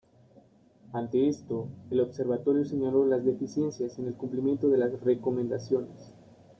Ante esto, el Observatorio señalo las deficiencias en el cumplimiento de las recomendaciones.